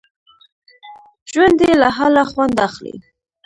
ژوندي له حاله خوند اخلي